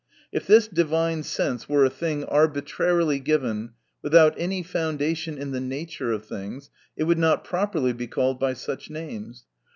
If this divine sense were a thing arbitrarily given without any foundation in the nature of things, it would not properly be called by such names.